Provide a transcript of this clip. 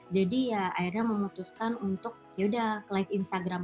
jadi ya akhirnya memutuskan untuk yaudah ke live instagram